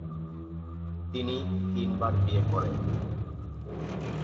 তিনি তিনবার বিয়ে করেন।